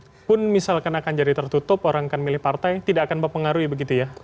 walaupun misalkan akan jadi tertutup orang akan milih partai tidak akan mempengaruhi begitu ya